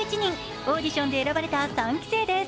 オーディションで選ばれた三期生です。